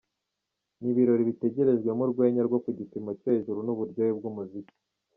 Ni ibirori bitegerejwemo urwenya rwo ku gipimo cyo hejuru n’uburyohe bw’umuziki.